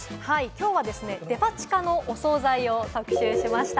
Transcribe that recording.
今日はデパ地下のお総菜を特集しました。